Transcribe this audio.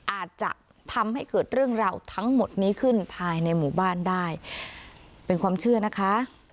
อาจจะทำให้เกิดเรื่องราวทั้งหมดนี้ขึ้นภายในหมู่บ้านได้เป็นความเชื่อนะคะ